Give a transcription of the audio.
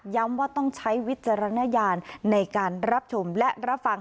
ว่าต้องใช้วิจารณญาณในการรับชมและรับฟัง